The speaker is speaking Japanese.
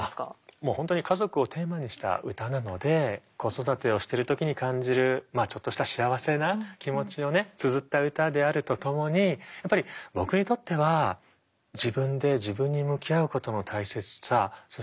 もう本当に家族をテーマにした歌なので子育てをしてる時に感じるまあちょっとした幸せな気持ちをねつづった歌であるとともにやっぱり僕にとっては自分で自分に向き合うことの大切さそしてまあ